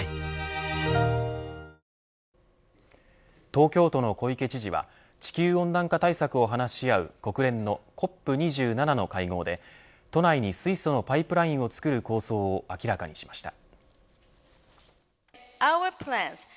東京都の小池知事は地球温暖化対策を話し合う国連のＣＯＰ２７の会合で都内に水素のパイプラインを作る構想を明らかにしました。